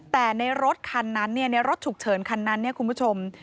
แต่ในรถคันนั้นในรถฉุกเฉินคันนั้นเนี่ยคุณผู้ชม